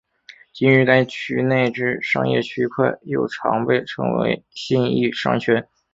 今日该区内之商业区块又常被称为信义商圈。